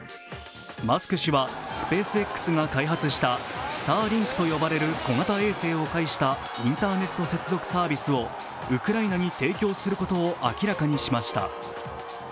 マスク氏は、スペースＸが開発したスターリンクと呼ばれる小型衛星を介したインターネット接続サービスをウクライナに提供することを明らかにしました。